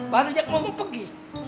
baru aja ngomong pergi